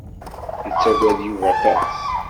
Yettagad Yuba aṭas.